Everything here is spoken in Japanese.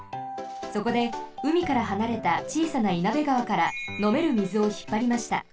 そこでうみからはなれたちいさな員弁川からのめるみずをひっぱりました。